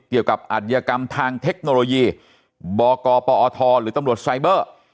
เกี่ยวกับอัดยกรรมทางเทคโนโลยีบ่อกอป่ออทอหรือตำลวจไซเบอร์